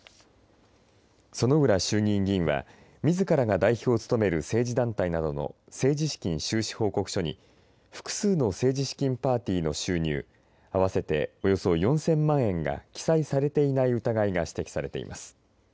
薗浦衆議院議員はみずからが代表を務める政治団体などの政治資金収支報告書に複数の政治資金パーティーの収入合わせて、およそ４０００万円が記載されていない疑いが指摘されています。